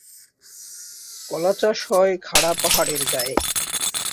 কলা চাষ হয় খাড়া পাহাড়ের গায়ে।